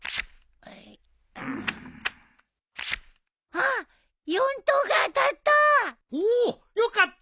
あっ４等が当たった！